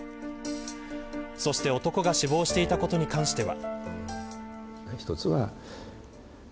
そして、男が死亡していたことに関しては。